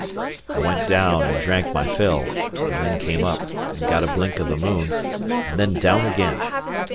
I went down, and drank my fill, and then came up, and got a blink of the moon, and then down again.